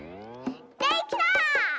できた！